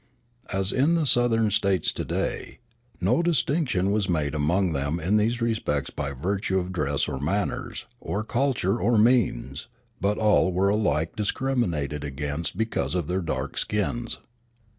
As in the Southern States to day, no distinction was made among them in these respects by virtue of dress or manners or culture or means; but all were alike discriminated against because of their dark skins.